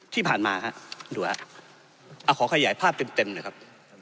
ที่ผ่านมาฮะดูฮะเอาขอขยายภาพเต็มหน่อยครับ